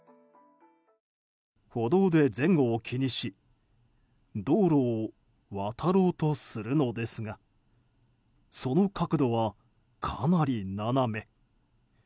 歩道で前後を気にし道路を渡ろうとするのですがその角度はかなり斜め。